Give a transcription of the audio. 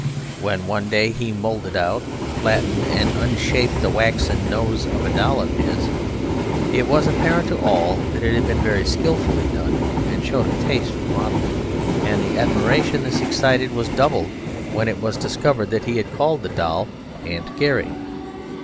When one day he moulded out, flattened and unshaped the waxen nose of a doll of his, it was apparent to all that it had been very skilfully done, and showed a taste for modelling, and the admiration this excited was doubled when it was discovered that he had called the doll "Aunt Garry".